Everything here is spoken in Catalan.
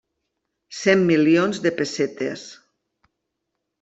Cent milions de pessetes.